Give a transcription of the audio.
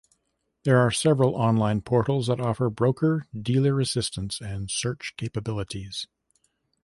There are several online portals that offer broker dealer assistance and search capabilities.